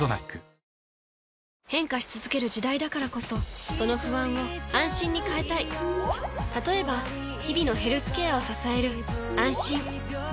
変化し続ける時代だからこそその不安を「あんしん」に変えたい例えば日々のヘルスケアを支える「あんしん」